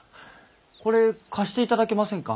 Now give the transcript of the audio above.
これ貸していただけませんか？